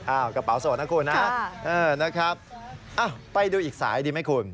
กระเป๋าโสดนะคุณนะนะครับไปดูอีกสายดีไหมคุณ